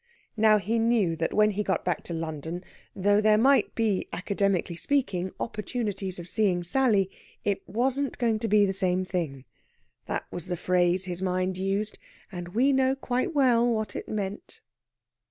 Now he knew that, when he got back to London, though there might be, academically speaking, opportunities of seeing Sally, it wasn't going to be the same thing. That was the phrase his mind used, and we know quite well what it meant.